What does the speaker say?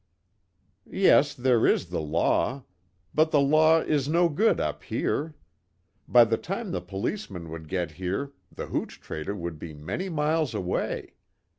"Yes, there is the law. But the law is no good up here. By the time the policemen would get here the hooch trader would be many miles away.